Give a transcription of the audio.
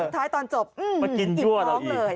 ถ้ายังตอนจบอื้มมากินยั่วเราอีก